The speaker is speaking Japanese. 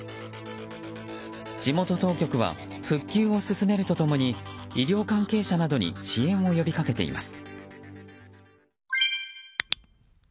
地元当局は復旧を進めるとともに医療関係者などに支援を呼び掛けています。